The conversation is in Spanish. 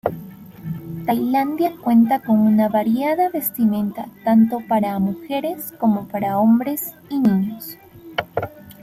Tailandia cuenta con una variada vestimenta tanto para mujeres como para hombres y niños.